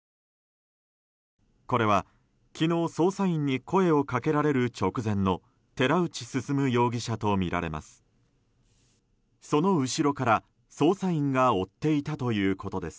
これは、昨日捜査員に声を掛けられる直前の寺内進容疑者とみられます。